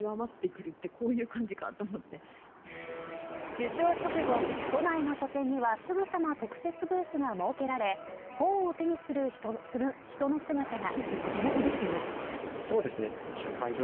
受賞式直後、都内の書店にはすぐさま特設ブースが設けられ本を手にする人の姿が。